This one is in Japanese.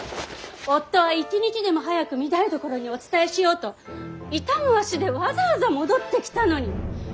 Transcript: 夫は一日でも早く御台所にお伝えしようと痛む足でわざわざ戻ってきたのに。